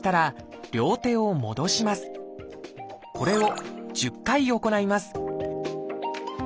これを１０回行います